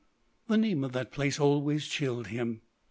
The name of that place always chilled him.